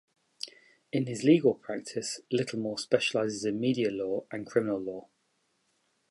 In his legal practice, Littlemore specialises in media law and criminal law.